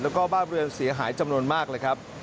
แล้วก็บ้านเรือนเสียหายจำนวนมากเลยครับ